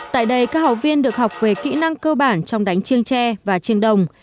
tại đây các học viên được học về kỹ năng cơ bản trong đánh chiêng tre và trên đồng